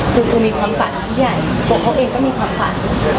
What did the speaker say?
คือผมมีความฝันที่ใหญ่เพราะเขาเองก็มีความฝัน